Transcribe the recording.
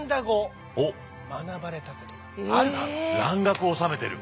蘭学を修めてる！